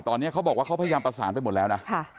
ตอนนี้เขาบอกว่าเขาพยายามประสานไปหมดแล้วนะ